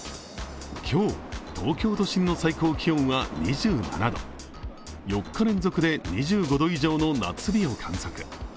今日、東京都心の最高気温は２７度４日連続で２５度以上の夏日を観測。